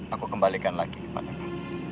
aku kembalikan lagi kepadamu